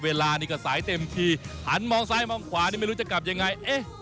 เวลานี่ก็สายเต็มทีหันมองซ้ายมองขวานี่ไม่รู้จะกลับยังไง